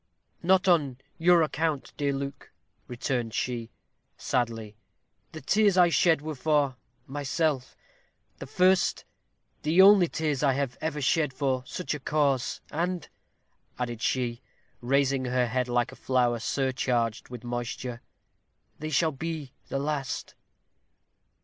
"Not on your own account, dear Luke," returned she, sadly. "The tears I shed were for myself the first, the only tears that I have ever shed for such cause; and," added she, raising her head like a flower surcharged with moisture, "they shall be the last."